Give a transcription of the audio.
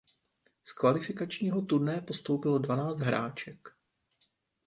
Z kvalifikačního turnaje postoupilo dvanáct hráček.